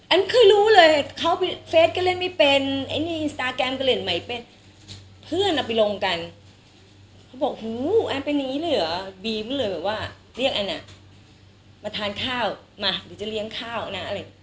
อันคือรู้เลยเขาเฟสก็เล่นไม่เป็นไอ้นี่อินสตาร์แกรมก็เล่นใหม่เป็นเพื่อนเอาไปลงกัน